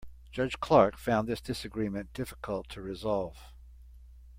Judge Clark found this disagreement difficult to resolve.